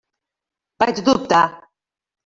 Vaig dubtar.